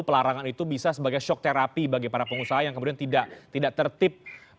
pelarangan itu bisa sebagai shock therapy bagi para pengusaha yang kemudian tidak tertib